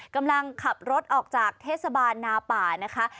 กำลังขับรถออกจากเทศบาลนาป่านะคะ